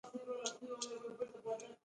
چې د تنقيد کولو او اورېدلو کلتور او دود روغ وي